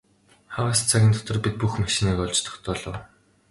Хагас цагийн дотор бид бүх машиныг олж тогтоолоо.